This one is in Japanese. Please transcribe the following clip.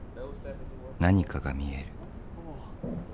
何かが見える。